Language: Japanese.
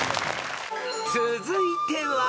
［続いては］